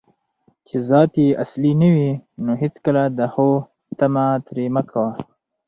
چې ذات یې اصلي نه وي، نو هیڅکله د ښو طمعه ترې مه کوه